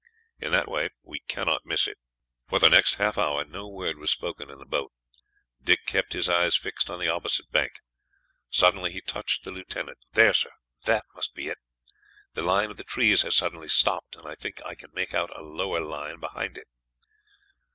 In that way we cannot miss it." For the next half hour no word was spoken in the boat. Dick kept his eyes fixed on the opposite bank. Suddenly he touched the lieutenant. "There, sir, that must be it. The line of the trees has suddenly stopped, and I think I can make out a lower line behind it."